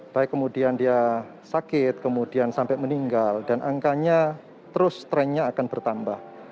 baik kemudian dia sakit kemudian sampai meninggal dan angkanya terus trennya akan bertambah